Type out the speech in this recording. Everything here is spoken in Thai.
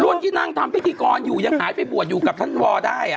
วันที่นั่งทำพิธีกรอยู่ยังหายไปบวชอยู่กับท่านวอได้